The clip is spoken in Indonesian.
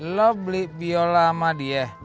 lo beli biola sama dia